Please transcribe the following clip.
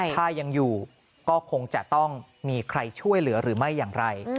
ถ้ายังอยู่ก็คงจะต้องมีใครช่วยเหลือหรือไม่อย่างไร